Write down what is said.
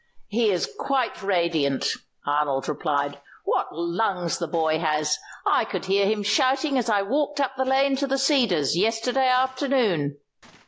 "He is quite radiant," Arnold replied. "What lungs the boy has! I could hear him shouting as I walked up the lane to The Cedars yesterday afternoon."